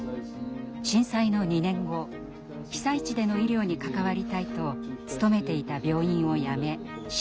震災の２年後被災地での医療に関わりたいと勤めていた病院を辞め診療所で働くことを決めました。